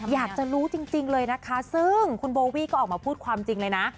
อยากจะรู้จริงเลยนะคะซึ่งคุณโบวี่ก็ออกมาพูดความจริงเลยนะ